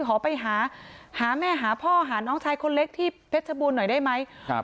ขอไปหาหาแม่หาพ่อหาน้องชายคนเล็กที่เพชรบูรณ์หน่อยได้ไหมครับ